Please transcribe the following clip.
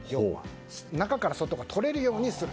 中から外が撮れるようにする。